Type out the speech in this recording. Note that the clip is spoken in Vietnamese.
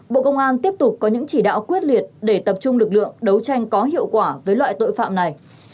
bộ công an tiếp tục có những chỉ đạo quyết liệt để tập trung lực lượng đấu tranh có hiệu quả với loại tội phạm này